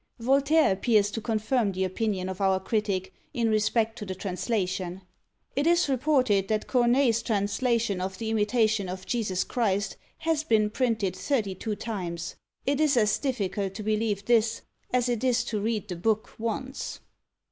Voltaire appears to confirm the opinion of our critic, in respect to the translation: "It is reported that Corneille's translation of the Imitation of Jesus Christ has been printed thirty two times; it is as difficult to believe this as it is to read the book once!"